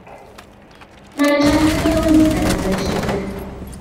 Mae 'na jac y do yn eistedd ar ben y simne.